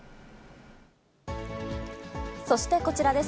そしてこちらです。